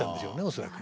恐らく。